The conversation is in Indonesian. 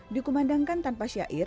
dikumandangkan tanpa syair